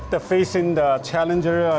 sebagai orang di kedua negara